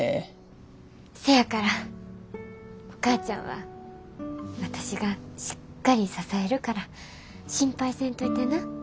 せやからお母ちゃんは私がしっかり支えるから心配せんといてな。